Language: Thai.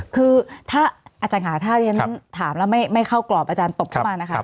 คือถ้าอาจารย์ค่ะถ้าเรียนถามแล้วไม่เข้ากรอบอาจารย์ตบเข้ามานะคะ